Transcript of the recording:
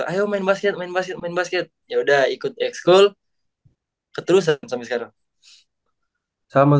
ayo main basket main basket main basket ya udah ikut ekskul keterusan sama sekali sama